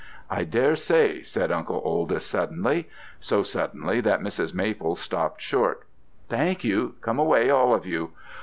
"' 'I daresay,' said Uncle Oldys suddenly: so suddenly that Mrs. Maple stopped short. 'Thank you. Come away, all of you.'